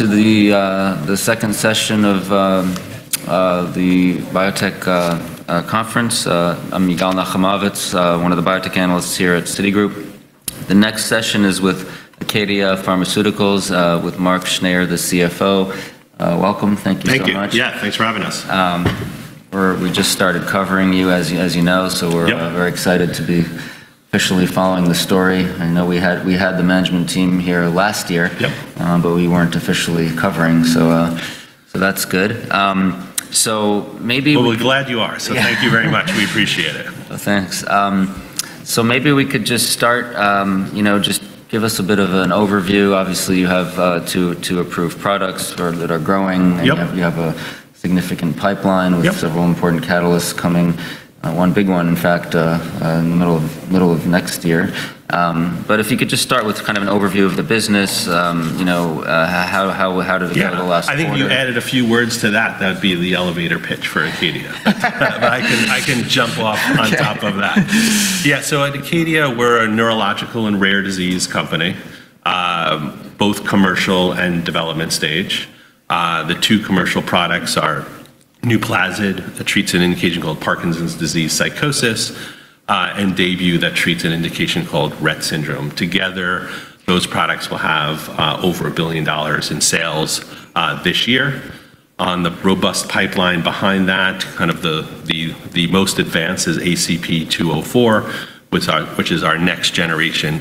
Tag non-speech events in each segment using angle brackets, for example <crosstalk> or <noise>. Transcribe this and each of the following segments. Welcome to the second session of the Biotech conference. I'm Yigal Nochomovitz, one of the biotech analysts here at Citigroup. The next session is with Acadia Pharmaceuticals with Mark Schneyer, the CFO. Welcome. Thank you so much. Yeah, thanks for having us. We just started covering you as you know, so we're very excited to be officially following the story. I know we had the management team here last year, but we weren't officially covering. That is good. Maybe. We're glad you are. Thank you very much. We appreciate it. Thanks. Maybe we could just start, you know, just give us a bit of an overview. Obviously you have two approved products that are growing. You have a significant pipeline with several important catalysts coming. One big one in fact, in the middle of, middle of next year. If you could just start with kind of an overview of the business, you know, how did it go the last quarter? I think you added a few words to that. That would be the elevator pitch for Acadia. I can jump off on top of that. Yeah. At Acadia we're a neurological and rare disease company, both commercial and development stage. The two commercial products are NUPLAZID that treats an indication called Parkinson's disease psychosis and DAYBUE, that treats an indication called Rett syndrome. Together those products will have over $1 billion in sales this year. On the robust pipeline behind that, kind of the most advanced is ACP-204, which is our next generation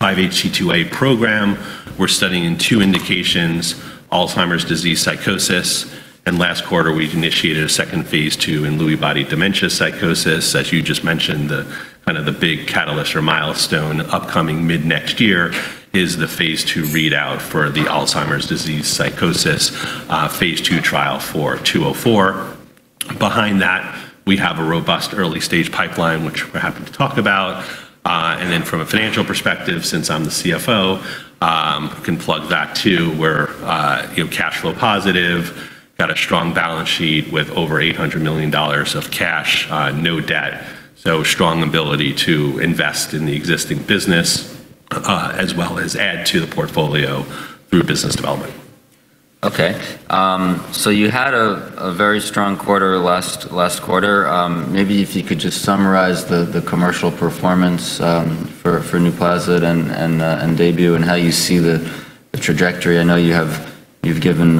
5-HT2A program. We're studying two indications, Alzheimer's disease psychosis, and last quarter we initiated a second phase II in Lewy body dementia psychosis, as you just mentioned, the kind of the big catalyst or milestone upcoming mid-next year is the phase II readout for the Alzheimer's disease psychosis phase II trial for 204. Behind that we have a robust early stage pipeline which we're happy to talk about. From a financial perspective, since I'm the CFO, can plug that too, we're cash flow positive, got a strong balance sheet with over $800 million of cash, no debt. Strong ability to invest in the existing business as well as add to the portfolio through business development. Okay, you had a very strong quarter last quarter. Maybe if you could just summarize the commercial performance for NUPLAZID and DAYBUE and how you see the trajectory. I know you've given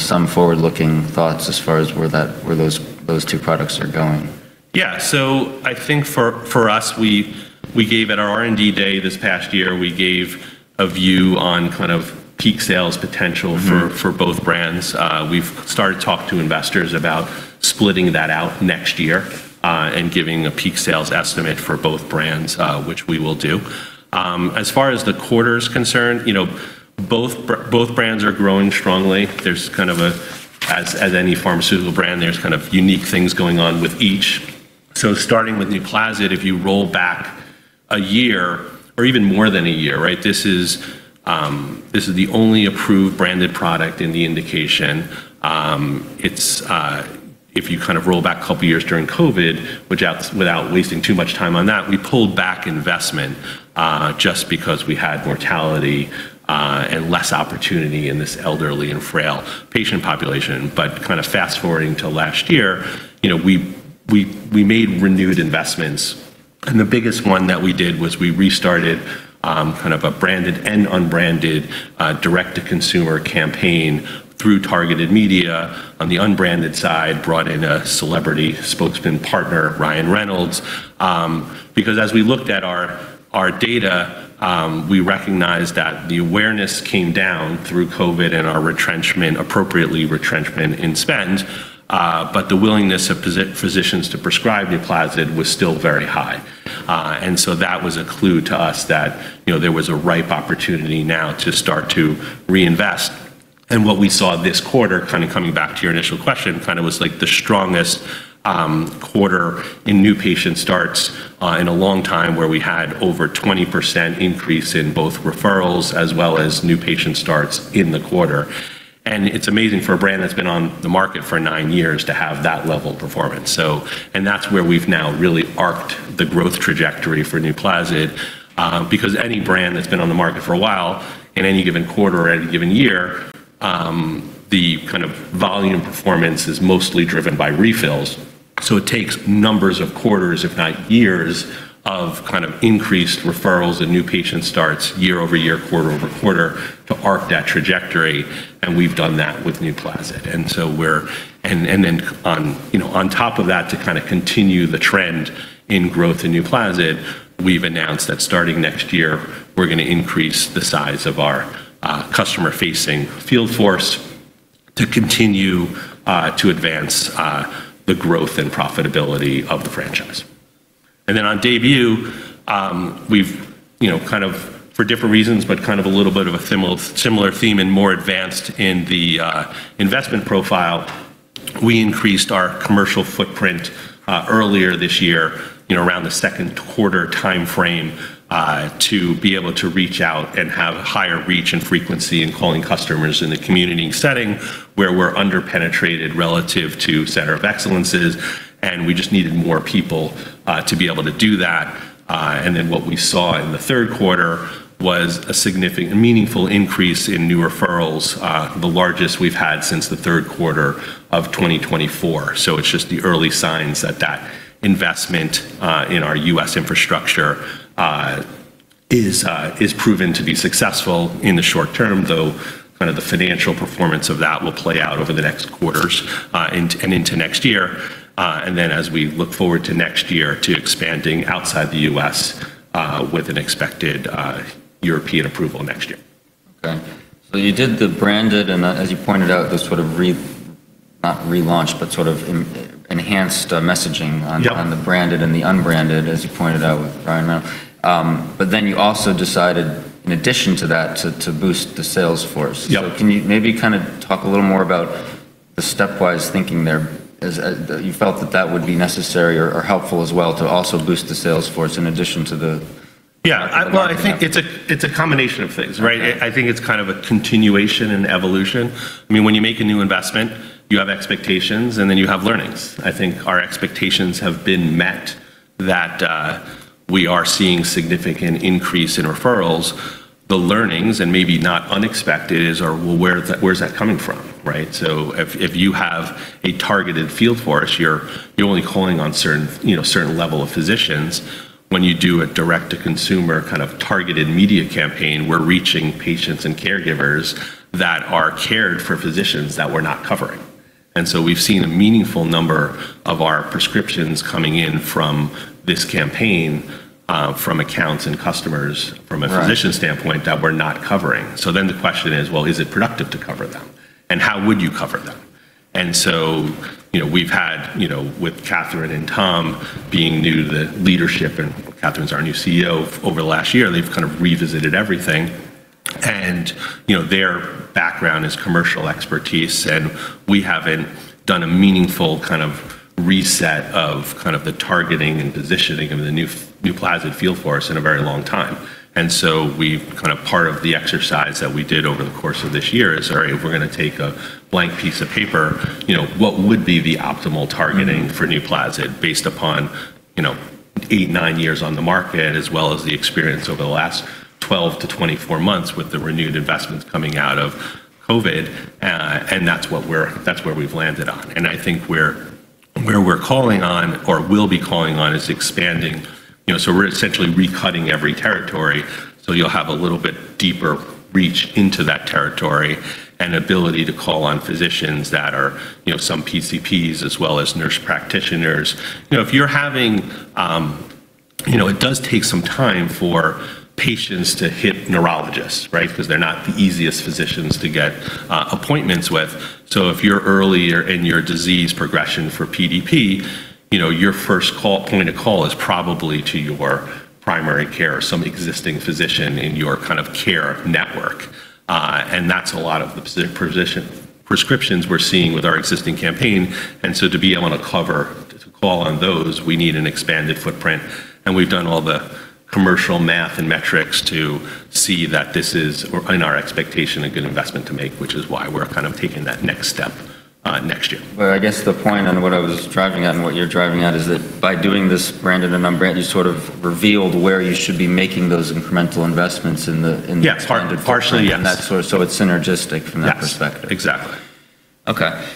some forward-looking thoughts as far as where those two products are going. Yeah. I think for us, we gave at our R&D Day this past year, we gave a view on kind of peak sales potential for both brands. We've started to talk to investors about splitting that out next year and giving a peak sales estimate for both brands, which we will do. As far as the quarter is concerned, you know, both brands are growing strongly. There's kind of a, as any pharmaceutical brand, there's kind of unique things going on with each. Starting with NUPLAZID, if you roll back a year or even more than a year, right, this is the only approved branded product in the indication. If you kind of roll back a couple years during COVID, without wasting too much time on that. We pulled back investment just because we had mortality and less opportunity in this elderly and frail patient population. Kind of fast forwarding to last year, you know, we made renewed investments and the biggest one that we did was we restarted kind of a branded and unbranded direct-to-consumer campaign through targeted media. On the unbranded side brought in a celebrity spokesman, partner Ryan Reynolds. Because as we looked at our data, we recognized that the awareness came down through COVID and our retrenchment, appropriately retrenchment in spending. The willingness of physicians to prescribe NUPLAZID was still very high. That was a clue to us that there was a ripe opportunity now to start to reinvest. What we saw this quarter, kind of coming back to your initial question, kind of was like the strongest quarter in new patient starts in a long time where we had over 20% increase in both referrals as well as new patient starts in the quarter. It's amazing for a brand that's been on the market for nine years to have that level of performance. That's where we've now really arced the growth trajectory for NUPLAZID because any brand that's been on the market for a while, in any given quarter or any given year, the kind of volume performance is mostly driven by refills. It takes numbers of quarters, if not years of kind of increased referrals and new patient starts year-over-year, quarter-over-quarter to arc that trajectory. We've done that with NUPLAZID. We're. On top of that, to kind of continue the trend in growth in NUPLAZID, we've announced that starting next year we're going to increase the size of our customer-facing field force to continue to advance the growth and profitability of the franchise. On DAYBUE, we've, you know, kind of for different reasons, but kind of a little bit of a similar theme and more advanced in the investment profile. We increased our commercial footprint earlier this year, you know, around the second quarter time frame to be able to reach out and have higher reach and frequency in calling customers in the community setting where we're underpenetrated relative to centers of excellence. We just needed more people to be able to do that. What we saw in the third quarter was a significant meaningful increase in new referrals, the largest we've had since the third quarter of 2024. It is just the early signs that that investment in our U.S. infrastructure is proven to be successful in the short term, though kind of the financial performance of that will play out over the next quarters and into next year. As we look forward to next year, to expanding outside the U.S. with an expected European approval next year. Okay, you did the branded and as you pointed out, this sort of not relaunched but sort of enhanced messaging on the branded and the unbranded, as you pointed out with Ryan Reynolds. You also decided in addition to that to boost the sales force. Can you maybe kind of talk a little more about the step-wise thinking there? You felt that that would be necessary or helpful as well to also boost the sales force in addition to the? Yeah, I think it's a combination of things, right. I think it's kind of a continuation and evolution. I mean, when you make a new investment, you have expectations and then you have learnings. I think our expectations have been met that we are seeing significant increase in referrals. The learnings, and maybe not unexpected, are, where's that coming from, right. If you have a target, you're only calling on a certain level of physicians. When you do a direct to consumer kind of targeted media campaign, we're reaching patients and caregivers that are cared for by physicians that we're not covering. We've seen a meaningful number of our prescriptions coming in from this campaign, from accounts and customers from a physician standpoint that we're not covering. The question is, well, is it productive to cover them? And how would you cover them? You know, we've had, you know, with Catherine and Tom being new, the leadership and Catherine's our new CEO over the last year, they've kind of revisited everything and, you know, their background is commercial expertise and we haven't done a meaningful kind of reset of kind of the targeting and positioning of the NUPLAZID field force in a very long time. We kind of, part of the exercise that we did over the course of this year is, all right, we're going to take a blank piece of paper, you know, what would be the optimal targeting for NUPLAZID based upon, you know, eight, nine years on the market, as well as the experience over the last 12-24 months with the renewed investments coming out of COVID. That's where we've landed on. I think where we're calling on or will be calling on is expanding, you know, so we're essentially recutting every territory. You'll have a little bit deeper reach into that territory and ability to call on physicians that are, you know, some PCPs, as well as nurse practitioners. You know, it does take some time for patients to hit neurologists. Right? Because they're not the easiest physicians to get appointments with. If you're earlier in your disease progression for PDP, you know, your first point of call is probably to your primary care, some existing physician in your kind of care network. That's a lot of the prescriptions we're seeing with our existing campaign. To be able to cover call on those, we need an expanded footprint. We've done all the commercial math and metrics to see that this is, in our expectation, a good investment to make, which is why we're kind of taking that next step next year. I guess the point and what I was driving at and what you're driving at is that by doing this branded and unbranded, you sort of revealed where you should be making those incremental investments in the. Yes, partially, yes. It's synergistic from that perspective. Exactly. Okay.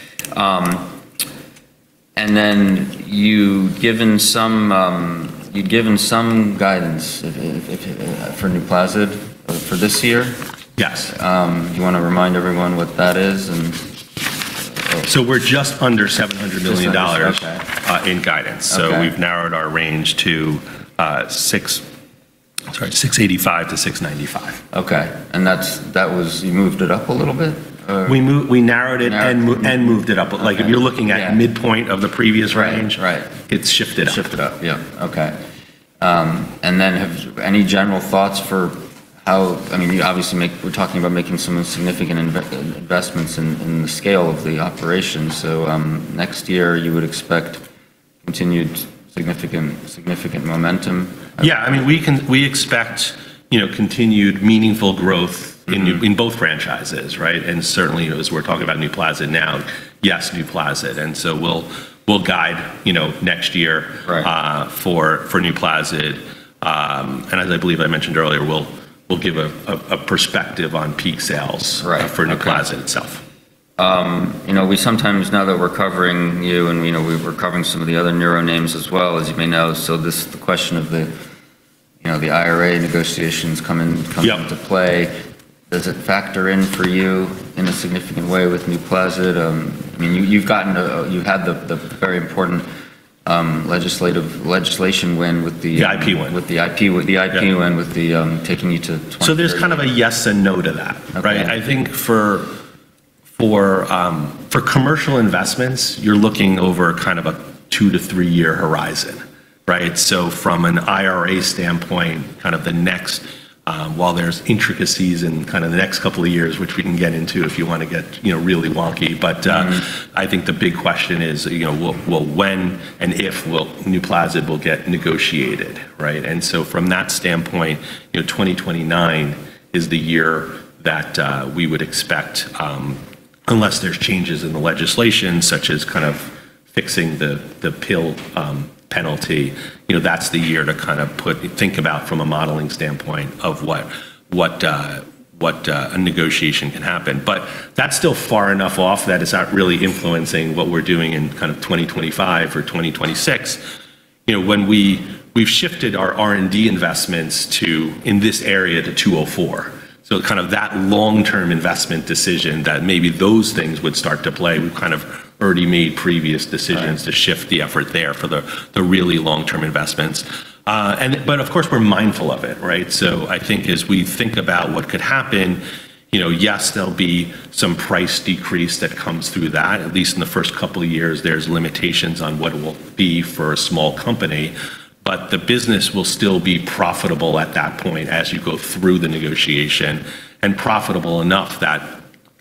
You'd given some guidance for NUPLAZID for this year. Yes. Do you want to remind everyone what that is? We're just under $700 million in guidance. We've narrowed our range to $685-$695. Okay. That's. That was. You moved it up a little bit? We moved. We narrowed it and moved it up. Like, if you're looking at midpoint of the previous range. Right. It's shifted. Shifted up. Yeah. Okay. Do you have any general thoughts for how, I mean, you obviously, we're talking about making some significant investments in the scale of the operation. Next year you would expect continued significant momentum? Yeah. I mean we can, we expect, you know, continued meaningful growth in, in both franchises. Right? And certainly as we're talking about NUPLAZID. Yes. NUPLAZID. And we will, we will guide, you know, next year for NUPLAZID. And as I believe I mentioned earlier, we will, we will give a perspective on peak sales for NUPLAZID itself. You know, we sometimes now that we're covering you and you know, we're covering some of the other neuro names as well as you may know. This, the question of the, you know, the IRA negotiations coming into play. Does it factor in for you in a significant way with NUPLAZID? I mean you've gotten, you've had the very important legislative legislation win with the. I win with the IP. IP win with the taking you to. There's kind of a yes and no to that. Right. I think for commercial investments, you're looking over kind of a two to three year horizon. Right. From an IRA standpoint, kind of the next while there's intricacies in kind of the next couple of years which we can get into if you want to get really wonky. I think the big question is, you know, well, when and if will NUPLAZID get negotiated, right? From that standpoint, you know, 2029 is the year that we would expect unless there's changes in the legislation such as kind of fixing the pill penalty. You know, that's the year to kind of think about from a modeling standpoint of what a negotiation can happen. That's still far enough off. That is not really influencing what we're doing in kind of 2025 or 2026, you know, when we, we've shifted our R&D investments to in this area to 204. So kind of that long term investment decision that maybe those things would start to play. We've kind of already made previous decisions to shift the effort there for the, the really long-term investments and but of course we're mindful of it, right. I think as we think about what could happen, you know, yes, there'll be some price decrease that comes through that at least in the first couple of years. There's limitations on what it will be for a small company, but the business will still be profitable at that point as you go through the negotiation and profitable enough that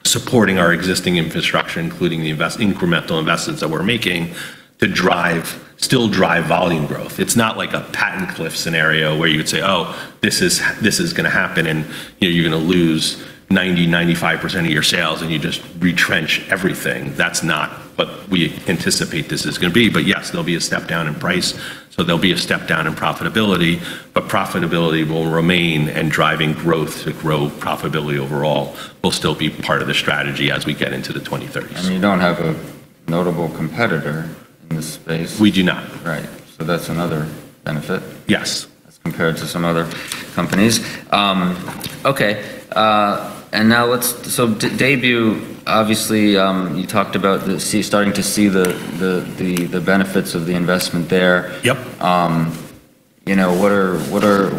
supporting our existing infrastructure, including the incremental investments that we're making to still drive volume growth. It's not like a patent cliff scenario where you would say oh, this is, this is going to happen and you know you're going to lose 90%-95% of your sales and you just retrench everything. That's not what we anticipate this is going to be. Yes, there'll be a step down in price, so there'll be a step down in profitability, but profitability will remain. Driving growth to grow profitability overall will still be part of the strategy as we get into the 2030. You don't have a notable competitor in this space? We do not. Right. So that's another benefit. Yes. As compared to some other companies. Okay. Now, let's, so DAYBUE. Obviously, you talked about starting to see the benefits of the investment there. Yep. You know, what are,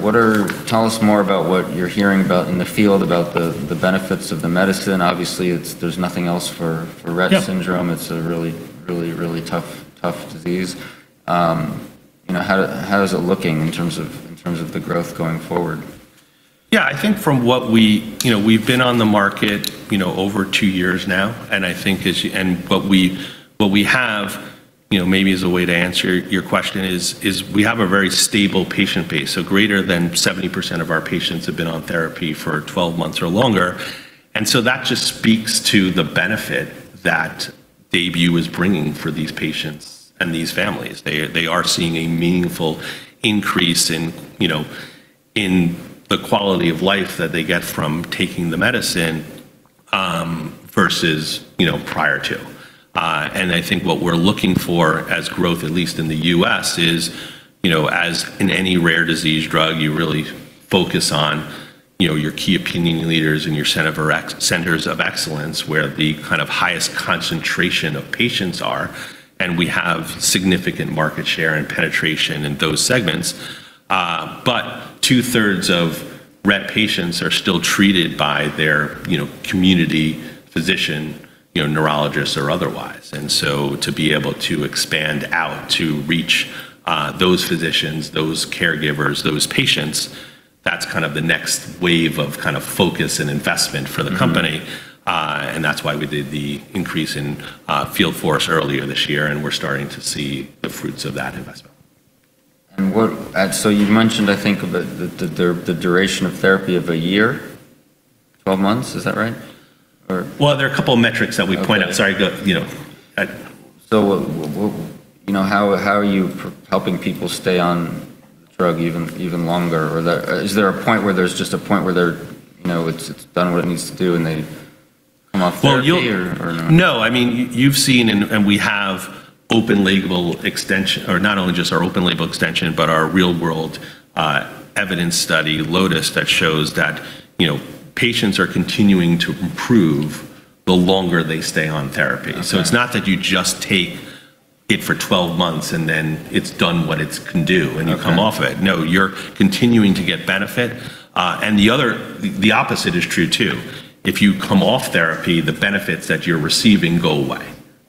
what are? Tell us more about what you're hearing about in the field about the benefits of the medicine. Obviously, it's, there's nothing else for Rett syndrome. It's a really, really, really tough, tough disease. You know, how is it looking in terms of, in terms of the growth going forward? Yeah, I think from what we, you know, we've been on the market, you know, over two years now, and I think. What we, what we have, you know, maybe as a way to answer your question, is, is we have a very stable patient base. Greater than 70% of our patients have been on therapy for 12 months or longer. That just speaks to the benefit that DAYBUE is bringing for these patients and these families. They are seeing a meaningful increase in the quality of life that they get from taking the medicine versus prior to. I think what we're looking for as growth, at least in the U.S., is as in any rare disease drug, you really focus on your key opinion leaders and your centers of excellence, where the kind of highest concentration of patients are, and we have significant market share and penetration in those segments. Two-thirds of Rett patients are still treated by their community physician, neurologist or otherwise. To be able to expand out to reach those physicians, those caregivers, those patients, that's kind of the next wave of kind of focus and investment for the company. That is why we did the increase in field force earlier this year. We're starting to see the fruits of that investment. You mentioned, I think the duration of therapy of a year, 12 months. Is that right? There are a couple of metrics that we point out. Sorry. You know, how are you helping people stay on the drug even longer? Or is there a point where there's just a point where they're, you know, it's done what it needs to do? They come off or? No, I mean you've seen and we have open-label extension or not only just our open-label extension, but our real world evidence study LOTUS, that shows that, you know, patients are continuing to improve the longer they stay on therapy. It is not that you just take it for 12 months and then it is done what it can do and you come off of it. No, you are continuing to get benefit. The other, the opposite is true too. If you come off therapy, the benefits that you are receiving go away.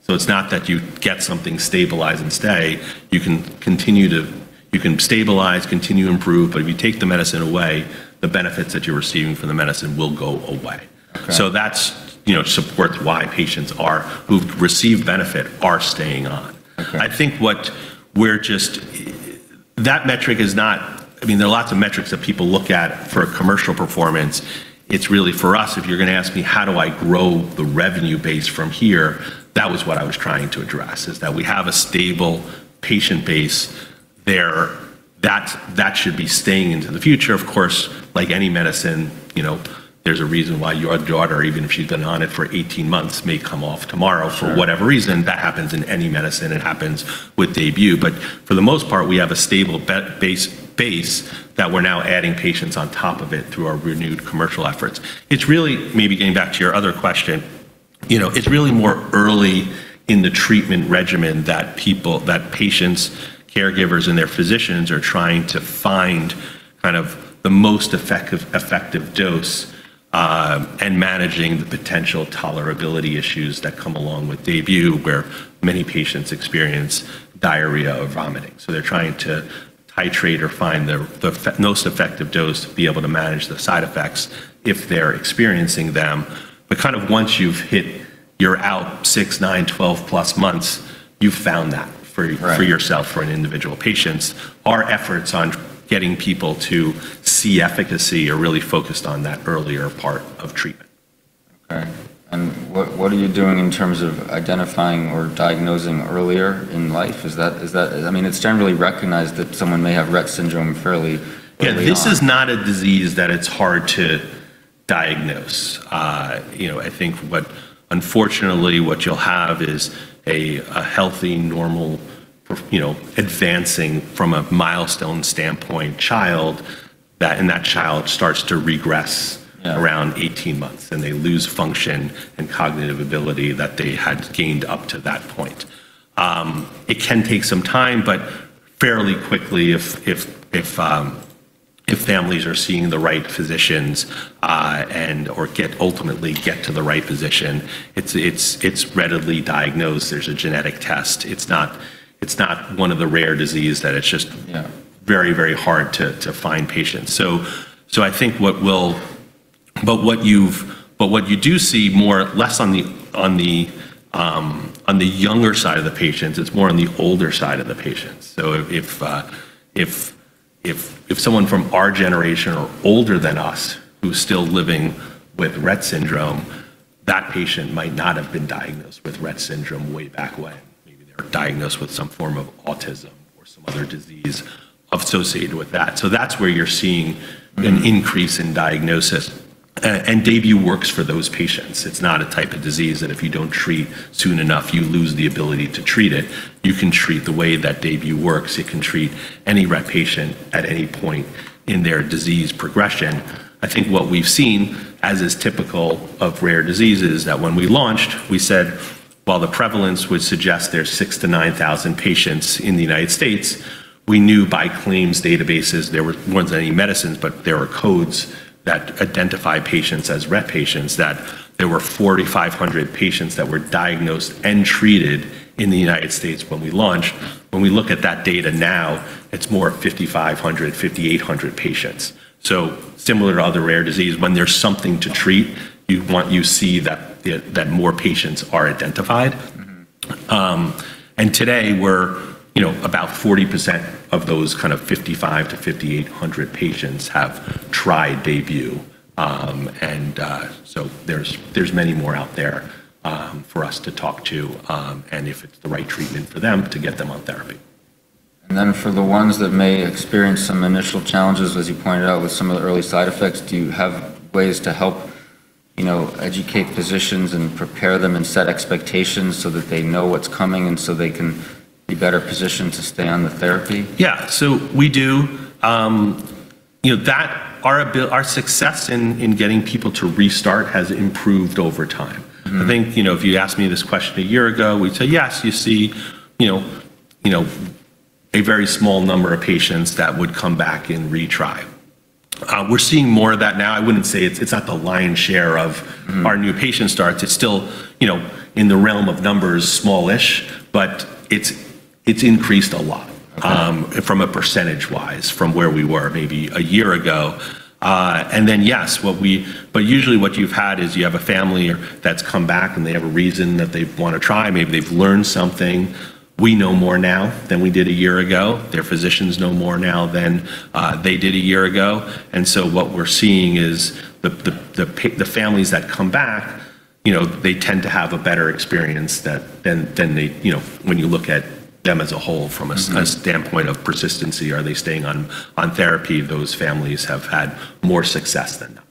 It is not that you get something, stabilize and stay, you can continue to, you can stabilize, continue to improve, but if you take the medicine away, the benefits that you are receiving from the medicine will go away. That, you know, supports why patients who have received benefit are staying on. I think what we're just that metric is not, I mean there are lots of metrics that people look at for commercial performance. It's really for us. If you're going to ask me how do I grow the revenue base from here, that was what I was trying to address is that we have a stable patient base there that that should be staying into the future. Of course, like any medicine, you know, there's a reason why your daughter, even if she's been on it for 18 months, may come off tomorrow for whatever reason that happens in any medicine. It happens with DAYBUE. For the most part we have a stable base that we're now adding patients on top of it through our renewed commercial efforts. It's really maybe getting back to your other question. You know, it's really more early in the treatment regimen that people, that patients, caregivers and their physicians are trying to find kind of the most effective, effective dose and managing the potential tolerability issues that come along with DAYBUE where many patients experience diarrhea or vomiting, so they're trying to titrate or find the most effective dose to be able to manage the side effects if they're experiencing them. Once you've hit your out six, nine, 12+ months, you've found that for yourself, for an individual patient, our efforts on getting people to see efficacy are really focused on that earlier part of treatment. Okay, what are you doing in terms of identifying or diagnosing earlier in life? Is that, is that, I mean, it's generally recognized that someone may have Rett syndrome fairly early. Yeah, this is not a disease that it's hard to diagnose. You know, I think what, unfortunately, what you'll have is a healthy, normal, you know, advancing from a milestone standpoint child. And that child starts to regress around 18 months and they lose function and cognitive ability that they had gained up to that point. It can take some time, but fairly quickly if families are seeing the right physicians or ultimately get to the right physician, it's readily diagnosed. There's a genetic test. It's not one of the rare diseases that it's just very, very hard to find patients. I think what will, but what you've, but what you do see more, less on the, on the, on the younger side of the patients. It's more on the older side of the patients. If someone from our generation or older than us who's still living with Rett syndrome, that patient might not have been diagnosed with Rett syndrome way back when. Maybe they're diagnosed with some form of autism or some other disease associated with that. That's where you're seeing an increase in diagnosis and DAYBUE works for those patients. It's not a type of disease that if you don't treat soon enough, you lose the ability to treat it. You can treat the way that DAYBUE works. It can treat any Rett patient at any point in their disease progression. I think what we've seen, as is typical of rare diseases, that when we launched we said while the prevalence would suggest there's 6,000-9,000 patients in the United States, we knew by claims databases there wasn't any medicines, but there were codes that identify patients as Rett patients, that there were 4,500 patients that were diagnosed and treated in the United States when we launched. When we look at that data now, it's more 5,500-5,800 patients. Similar to other rare disease, when there's something to treat, you want, you see that more patients are identified. Today we're about 40% of those kind of 5,500-5,800 patients have tried DAYBUE. There are many more out there for us to talk to and if it's the right treatment for them to get them on therapy. For the ones that may experience some initial challenges, as you pointed out, with some of the early side effects, do you have ways to help, you know, educate physicians and prepare them and set expectations so that they know what's coming and so they can be better-positioned to stay on the therapy? Yeah, so we do know that our success in getting people to restart has improved over time. I think, you know, if you asked me this question a year ago, we'd say yes, you see, you know, a very small number of patients that would come back and retry. We're seeing more of that now. I wouldn't say it's not the lion's share of our new patient starts. It's still, you know, in the realm of numbers smallish, but it's increased a lot percentage wise from where we were maybe a year ago. Yes, usually what you've had is you have a family that's come back and they have a reason that they want to try. Maybe they've learned something. We know more now than we did a year ago. Their physicians know more now than they did a year ago now. What we're seeing is the families that come back, you know, they tend to have a better experience than when you look at them as a whole from a standpoint of persistency. Are they staying on therapy? Those families have had more success than not.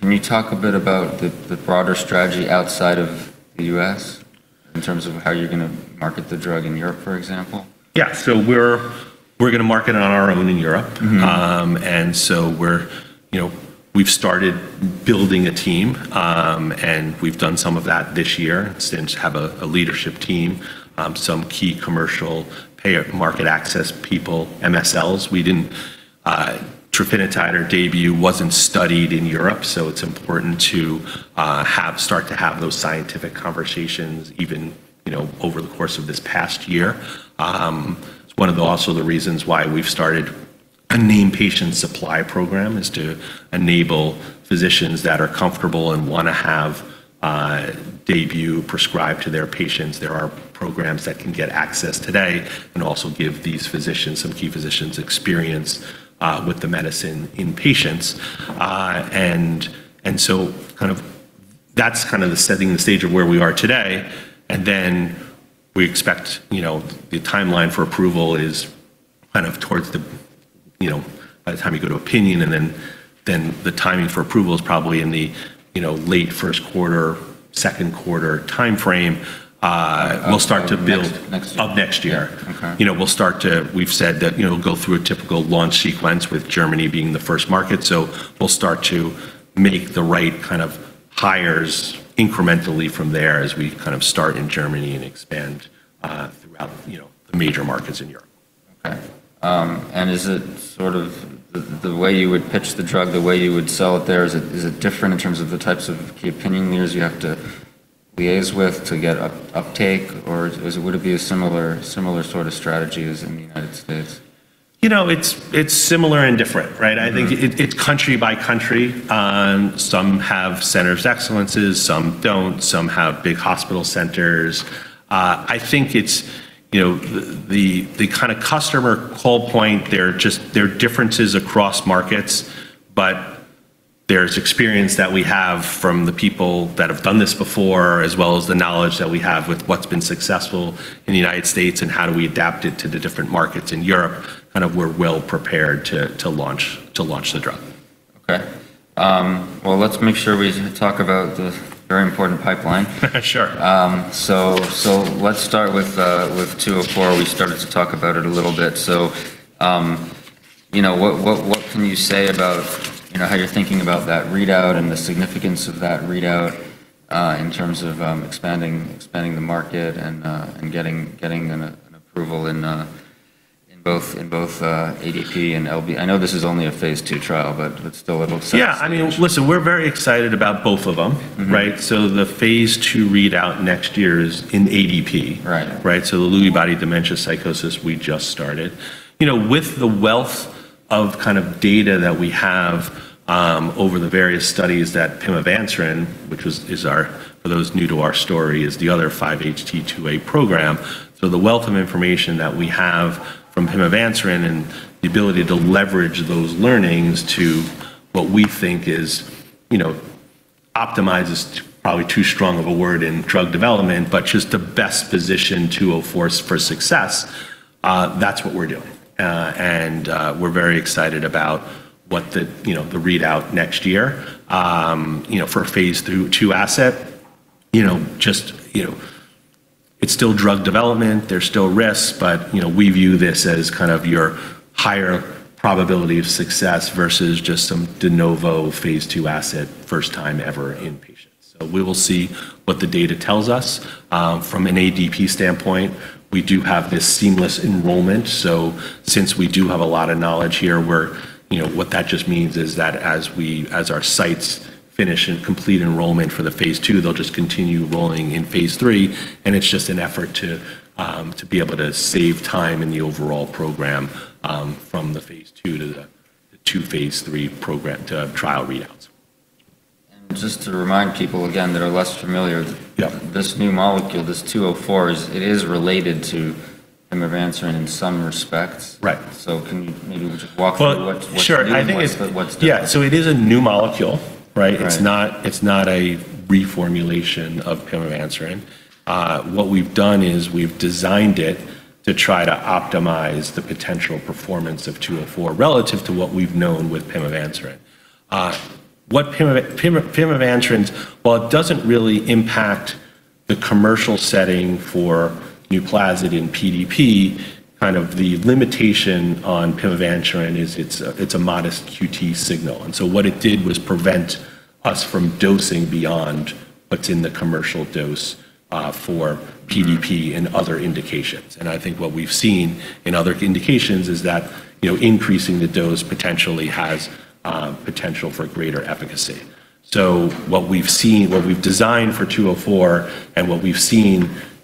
Can you talk a bit about the broader strategy outside of the U.S. in terms of how you're going to market the drug in Europe, for example? Yeah, we're going to market on our own in Europe and we've started building a team and we've done some of that this year since we have a leadership team, some key commercial, payor, market access people, MSLs. trofinetide or DAYBUE wasn't studied in Europe. It's important to start to have those scientific conversations even over the course of this past year. It's also one of the reasons why we've started a named patient supply program, to enable physicians that are comfortable and want to have DAYBUE prescribed to their patients. There are programs that can get access today and also give these physicians, some key physicians, experience with the medicine in patients, and that's kind of setting the stage of where we are today. We expect, you know, the timeline for approval is kind of towards the, you know, by the time you go to opinion and then the timing for approval is probably in the, you know, late first quarter, second quarter time frame. We'll start to build next up next year, you know, we'll start to, we've said that, you know, go through a typical launch sequence with Germany being the first market so start to make the right kind of hires incrementally from there as we kind of start in Germany and expand throughout the major markets in Europe. Okay, and is it sort of the way you would pitch the drug, the way you would sell it there? Is it different in terms of the types of key opinion leaders you have to liaise with to get uptake, or would it be a similar sort of strategy as in the United States? You know, it's similar and different. Right. I think it's country by country. Some have Centers of Excellence, some don't. Some have big hospital centers. I think it's, you know, the kind of customer call point. There are differences across markets, but there's experience that we have from the people that have done this before, as well as the knowledge that we have with what's been successful in the United States. How do we adapt it to the different markets in Europe? We're well-prepared to launch the drug. Okay, let's make sure we talk about the very important pipeline. Sure. Let's start with 204. We started to talk about it a little bit. You know, what can you say about how you're thinking about that readout and the significance of that readout in terms of expanding the market and getting an approval in both ADP and LBD? I know this is only a phase II trial, but still a little sense. Yeah, I mean, listen, we're very excited about both of them. Right. The phase II readout next year is in ADP. The Lewy body dementia psychosis, we just started, you know, with the wealth of kind of data that we have over the various studies that pimavanserin, which is our, for those new to our story, is the other 5-HT2A program. The wealth of information that we have from pimavanserin and the ability to leverage those learnings to what we think is, you know, optimized is probably too strong of a word in drug development, but just the best position 204 for success. That's what we're doing. We're very excited about what the, you know, the readout next year, you know, for a phase II asset, you know, just, you know, it's still drug development, there's still risks, but, you know, we view this as kind of your higher probability of success versus just some de novo phase II asset, first time ever in patients. We will see what the data tells us. From an ADP standpoint, we do have this seamless enrollment. Since we do have a lot of knowledge here. We're, you know, what that just means is that as our sites finish and complete enrollment for the phase II, they'll just continue rolling in phase III. It's just an effort to be able to save time in the overall program from the phase II to the two phase III program to trial readouts. Just to remind people again, that are less familiar, this new molecule, this 204, it is related to pimavanserin in some respects. Right. Can you maybe just walk through. Sure. I think. <audio distortion> Yeah. So it is a new molecule. Right. It's not. It's not a reformulation of pimavanserin. What we've done is we've designed it to try to optimize the potential performance of 204 relative to what we've known with pimavanserin. What pimavanserin, while it doesn't really impact the commercial setting for NUPLAZID in PDP, kind of the limitation on pimavanserin is it's a modest QT signal. What it did was prevent us from dosing beyond what's in the commercial dose for PDP and other indications. I think what we've seen in other indications is that increasing the dose potentially has potential for greater efficacy. What we've seen, what we've designed for 204, and what we've seen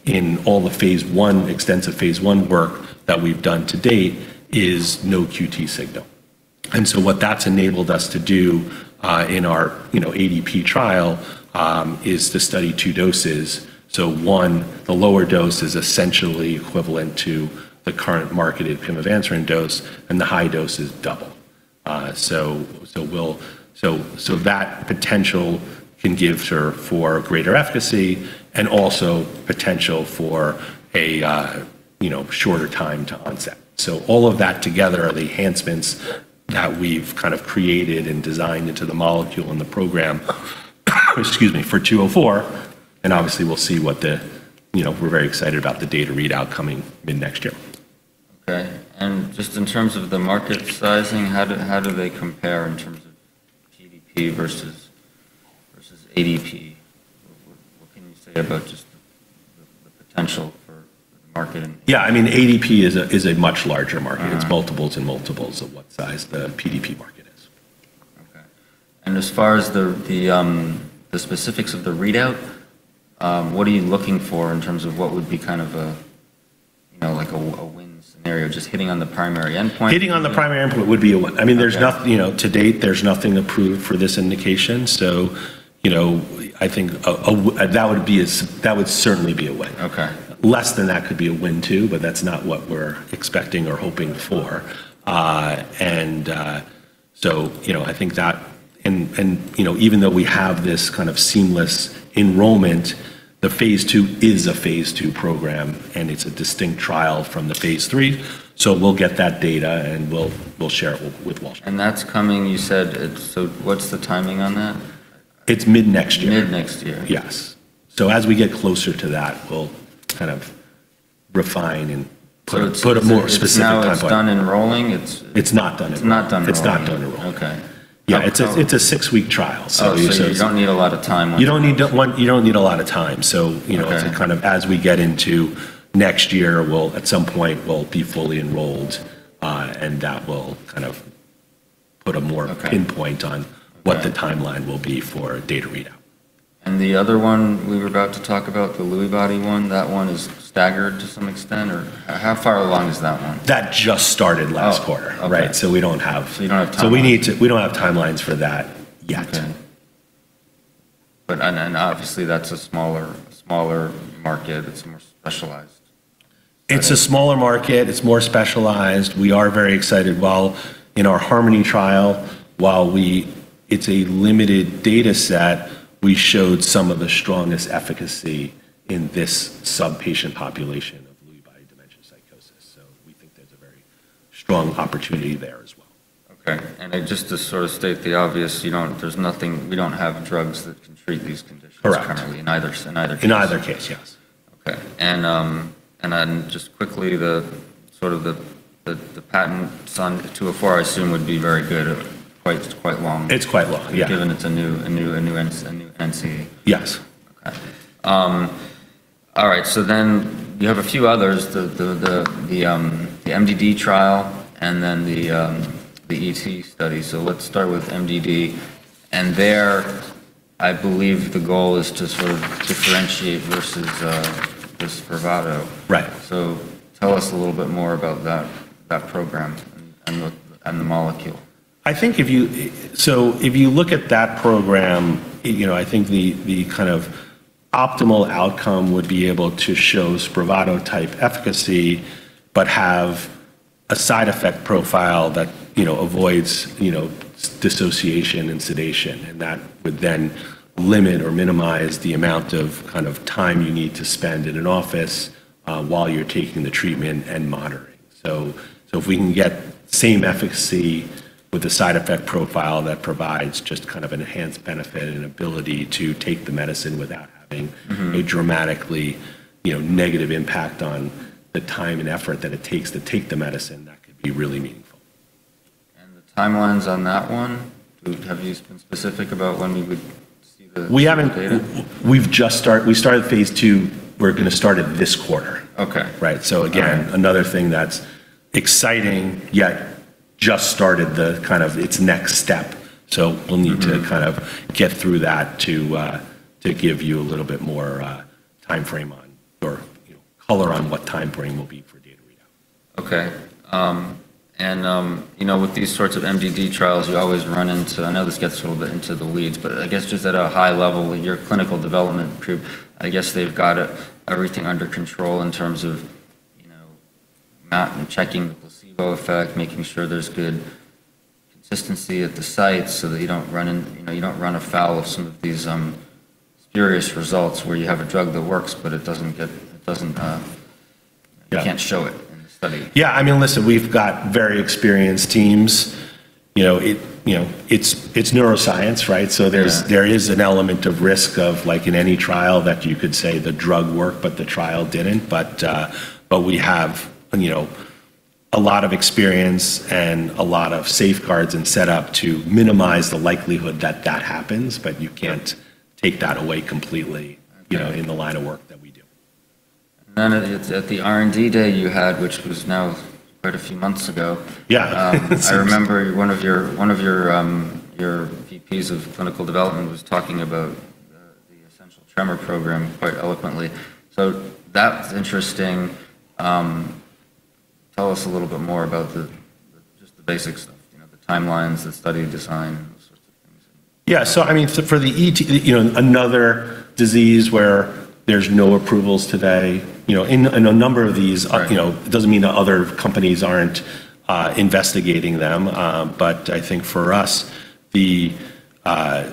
in all the phase I, extensive phase I work that we've done to date is no QT signal. What that has enabled us to do in our, you know, ADP trial is to study two doses. One, the lower dose is essentially equivalent to the current marketed pimavanserin dose and the high dose is double. That potential can give her for greater efficacy and also potential for a, you know, shorter time to onset. All of that together are the enhancements that we've kind of created and designed into the molecule in the program. Excuse me, for 204. Obviously, we'll see what the, you know, we're very excited about the data readout coming mid-next year. Okay. In terms of the market sizing, how do they compare in terms of PDP versus ADP? What can you say about just the potential for market? Yeah, I mean, ADP is a much larger market. It's multiples and multiples of what size the PDP market is. As far as the specifics of the readout, what are you looking for in terms of what would be kind of a, you know, like a win scenario? Just hitting on the primary endpoint. Hitting on the primary endpoint would be a one. I mean, there's nothing, you know, to date, there's nothing approved for this indication. You know, I think that would be as. That would certainly be a win. Okay. Less than that could be a win, too. That's not what we're expecting or hoping for. You know, I think that even though we have this kind of seamless enrollment, the phase II is a phase II program and it's a distinct trial from the phase III. We'll get that data and we'll share it with Walsh. That's coming. You said it. What's the timing on that? It's mid-next year. Mid-next year, Yes. As we get closer to that, we'll kind of refine and put a. More specific. Time enrolling. It's. It's not done. It's not done. It's not done. Okay. Yeah, it's a six week trial. You don't need a lot of time. You don't need a lot of time. You know, kind of as we get into next year, we'll, at some point we'll be fully enrolled and that will kind of put a more pinpoint on what the timeline will be for data readout. The other one we were about to talk about, the Lewy body one, that one is staggered to some extent or how far along is that one? That just started last quarter. Right. We don't have timelines for that yet. That's a smaller, smaller market. It's more specialized. It's a smaller market. It's more specialized. We are very excited while in our HARMONY trial, while we. It's a limited data set, we showed some of the strongest efficacy in this sub-patient population of Lewy body dementia psychosis. We think there's a very strong opportunity there as well. Okay. Just to sort of state the obvious, you know, there's nothing. We don't have drugs that can treat these conditions currently. In either case. In either case, yes. Okay. And then just quickly, the sort of, the patents on 204, I assume, would be very good. Quite, quite long. It's quite long, Given it's a new. A new. A new NCE. Yes. Okay. All right. So then you have a few others. The MDD trial and then the ET study. Let's start with MDD. And there I believe the goal is to sort of differentiate versus this SPRAVATO. Right. Tell us a little bit more about that program and the molecule. I think if you look at that program, you know, I think the kind of optimal outcome would be able to show SPRAVATO-type efficacy but have a side effect profile that, you know, avoids, you know, dissociation and sedation and that would then limit or minimize the amount of kind of time you need to spend in an office while you're taking the treatment and monitoring. If we can get same efficacy with a side effect profile that provides just kind of enhanced benefit and ability to take the medicine without having a dramatically negative impact on the time and effort that it takes to take the medicine, that could be really meaningful. The timelines on that one? Have you been specific about when we. Would see the data? We've just started, we started phase II. We're going to start it this quarter. Again, another thing that's exciting, yet just started the kind of its next step. We'll need to kind of get through that to give you a little bit more time frame on, or color on what time frame will be for data readout. Okay. You know, with these sorts of MDD trials you always run into, I know this gets a little bit into the leads, but I guess just at a high level, your clinical development group, I guess they've got everything under control in terms of, you know, not checking the blood placebo effect, making sure there's good consistency at the site so that you don't run in, you know, you don't run afoul of some of these spurious results where you have a drug that works but it doesn't get. It doesn't. You can't show it in the study. Yeah, I mean, listen, we've got very experienced teams. You know, it, you know, it's, it's neuroscience, right? There is an element of risk of like in any trial that you could say the drug worked, but the trial didn't. We have a lot of experience and a lot of safeguards and set up to minimize the likelihood that that happens. You can't take that away completely in the line of work that we do. At the R&D Day you had, which was now quite a few months ago, I remember one of your VPs of clinical development was talking about the Essential Tremor program quite eloquently. That's interesting. Tell us a little bit more about the, just the basic stuff, you know, the timelines, the study design. Yeah. I mean for the ET, you know another disease where there's no approvals today, you know, in a number of these, you know, it doesn't mean that other companies aren't investigating them. I think for us, what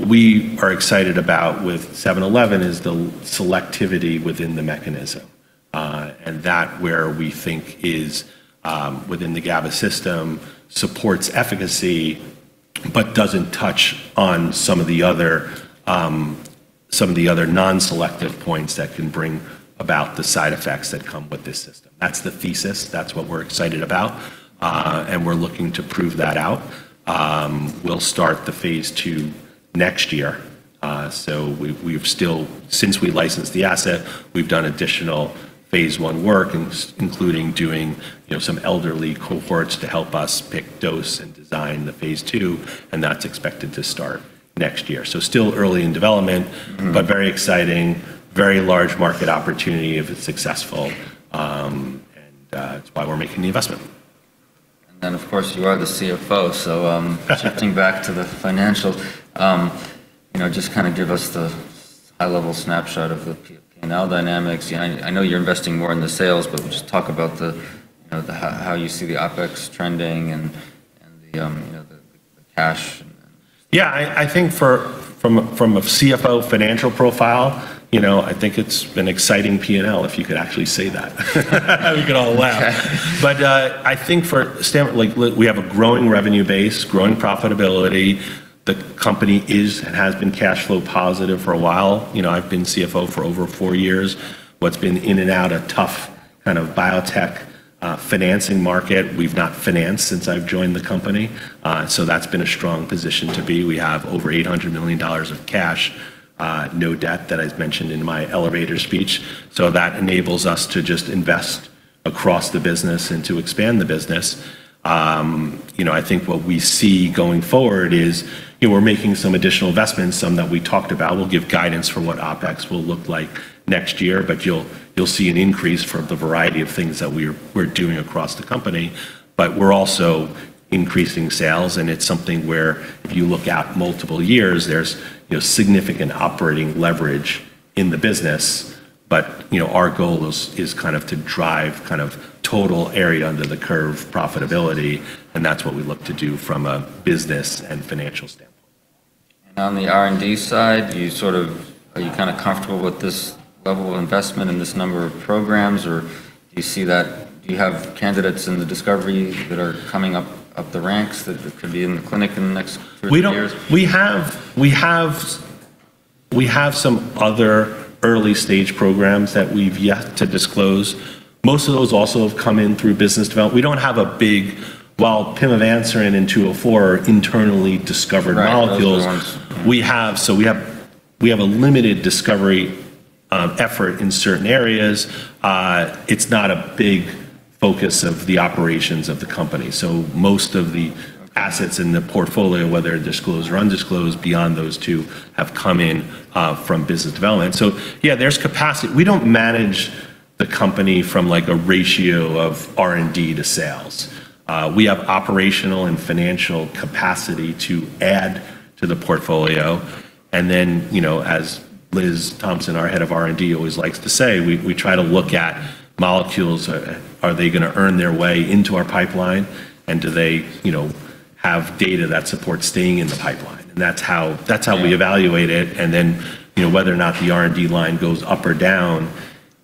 we are excited about with 711 is the selectivity within the mechanism and that where we think is within the GABA system supports efficacy but doesn't touch on some of the other non-selective points that can bring about the side effects that come with this system. That's the thesis, that's what we're excited about and we're looking to prove that out. We'll start the phase II next year. Since we licensed the asset we've done additional phase I work including doing some elderly cohorts to help us pick dose and design the phase II and that's expected to start next year. It's still early in development but very exciting, very large market opportunity if successful and that's why we're making the investment. Of course you are the CFO. Shifting back to the financials, you know, just kind of give us the high-level snapshot of the P&L dynamics. I know you're investing more in the sales but just talk about how you see the OpEx trending and the cash. Yeah, I think from a CFO financial profile, you know, I think it's an exciting P&L if you could actually say that out loud, but I think for [sampling], like we have a growing revenue base, growing profitability. The company is and has been cash flow positive for a while. You know, I've been CFO for over four years. What's been in and out, a tough kind of biotech financing market, we've not financed since I've joined the company. So that's been a strong position to be. We have over $800 million of cash, no debt that I mentioned in my elevator speech. That enables us to just invest across the business and to expand the business. You know, I think what we see going forward is, you know, we're making some additional investments, some that we talked about. We'll give guidance for what OpEx will look like next year. You'll see an increase for the variety of things that we're doing across the company. We're also increasing sales and it's something where if you look at multiple years there's, you know, significant operating leverage in the business. You know, our goal is kind of to drive kind of total area under the curve, profitability, and that's what we look to do from a business and financial standpoint. On the R&D side, you sort of, are you kind of comfortable with this level of investment in this number of programs, or do you see that, do you have candidates in the discovery that are coming up, up the ranks that could be in the clinic in the next few years? We have, we have some other early stage programs that we've yet to disclose. Most of those also have come in through business development. We don't have a big, while pimavanserin and 204 are internally discovered molecules we have. We have a limited discovery effort in certain areas. It's not a big focus of the operations of the company. Most of the assets in the portfolio, whether disclosed or undisclosed, beyond those two have come in from business development. Yeah, there's capacity. We don't manage the company from like a ratio of R&D to sales. We have operational and financial capacity to add to the portfolio. You know, as Liz Thompson, our Head of R&D, always likes to say, we try to look at molecules. Are they going to earn their way into our pipeline? And do they have data that supports staying in the pipeline? That is how we evaluate it. Whether or not the R&D line goes up or down,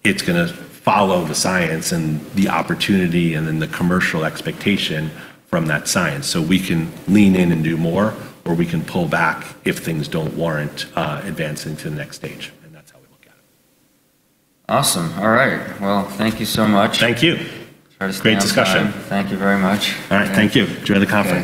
it is going to follow the science and the opportunity and then the commercial expectation from that science. We can lean in and do more or we can pull back if things do not warrant advancing to the next stage. That is how we look at it. Awesome. All right, thank you so much. Thank you. Great discussion. Thank you very much. All right, thank you. Enjoy the conference.